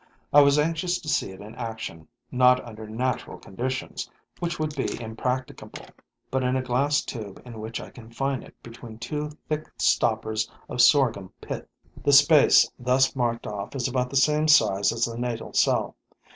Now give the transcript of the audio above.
I was anxious to see it in action, not under natural conditions, which would be impracticable, but in a glass tube in which I confine it between two thick stoppers of sorghum pith. The space thus marked off is about the same size as the natal cell.